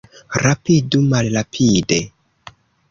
Rapidu malrapide.